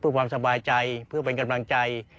เพื่อความสบายใจเพื่อเป็นกำลังใจ